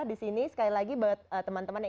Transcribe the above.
di sini sekali lagi buat teman teman yang